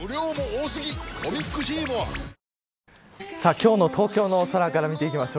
今日の東京の空から見ていきます。